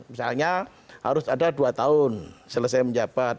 misalnya harus ada dua tahun selesai menjabat